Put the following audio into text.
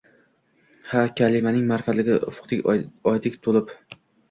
Har kalimang ma’rifatning ufqida oydek to’lib